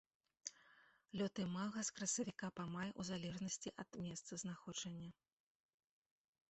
Лёт імага з красавіка па май у залежнасці ад месцазнаходжання.